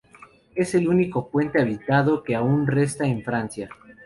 Es el único puente habitado que aún resta en Francia.